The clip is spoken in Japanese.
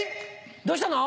どうしたの？